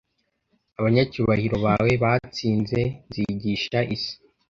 Abanyacyubahiro bawe batsinze: Nzigisha isi